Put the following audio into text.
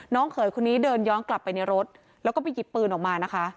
เขยคนนี้เดินย้อนกลับไปในรถแล้วก็ไปหยิบปืนออกมานะคะ